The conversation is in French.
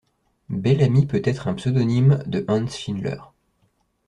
Bellamy peut être un pseudonyme de Hans Schindler.